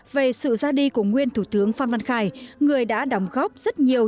về sự ra đi của nguyên thủ tướng phan văn khải người đã đóng góp rất nhiều